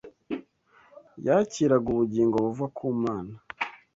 Yakiraga ubugingo buva ku Mana